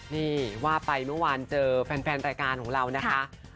นี่ว่าไปเมื่อวานเจอแฟนรายการของเรานะคะ